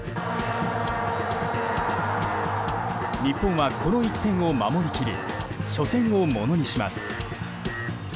日本はこの１点を守り切り初戦をものにします。